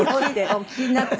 お聞きになった？